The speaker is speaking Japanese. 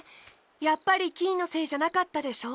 やっぱりキイのせいじゃなかったでしょ？